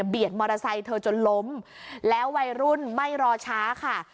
มอเตอร์ไซค์เธอจนล้มแล้ววัยรุ่นไม่รอช้าค่ะ